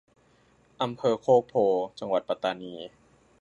อำเภอโคกโพธิ์ จังหวัดปัตตานี